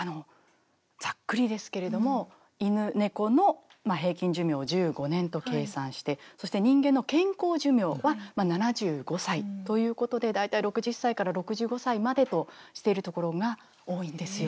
ざっくりですけれども犬猫の平均寿命を１５年と計算してそして人間の健康寿命は７５歳ということで大体６０歳から６５歳までとしてるところが多いんですよ。